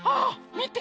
みて！